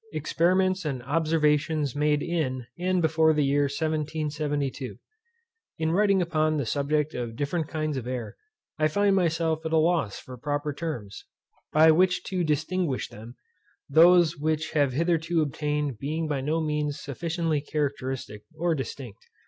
Experiments and Observations made in, and before the year 1772. In writing upon the subject of different kinds of air, I find myself at a loss for proper terms, by which to distinguish them, those which have hitherto obtained being by no means sufficiently characteristic, or distinct.